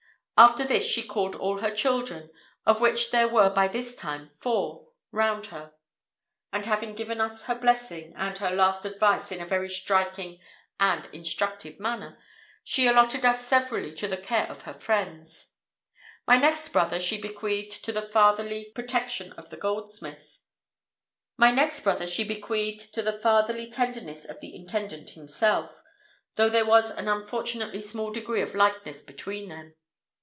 After this she called all her children, of which there were by this time four, round her, and having given us her blessing and her last advice in a very striking and instructive manner, she allotted us severally to the care of her friends. My next brother she bequeathed to the fatherly tenderness of the intendant himself; though there was an unfortunately small degree of likeness between them.